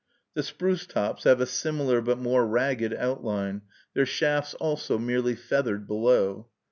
The spruce tops have a similar but more ragged outline, their shafts also merely feathered below.